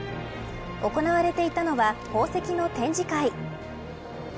行われていたのは宝石の展示会。